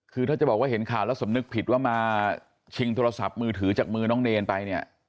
คือถ้าจะบอกว่าเห็นข่าวแล้วสำนึกผิดว่ามาชิงโทรศัพท์มือถือจากมือน้องเนรไปเนี่ย